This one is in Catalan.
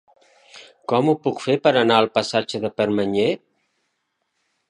Com ho puc fer per anar al passatge de Permanyer?